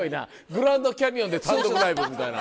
「グランドキャニオンで単独ライブ」みたいな。